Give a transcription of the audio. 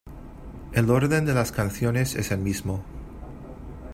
El orden de las canciones es el mismo.